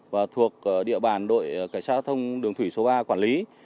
và thuộc địa bàn đội cảnh sát giao thông đường thủy số ba quản lý